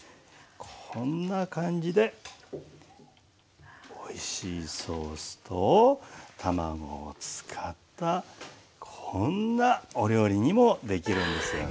こんな感じでおいしいソースと卵を使ったこんなお料理にもできるんですよね。